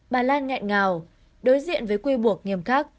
bà lan nghẹn ngào đối diện với quy buộc nghiêm khắc